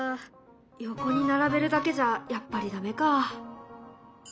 横に並べるだけじゃやっぱりダメか。